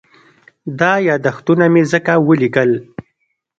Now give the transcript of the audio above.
دا یادښتونه مې ځکه ولیکل.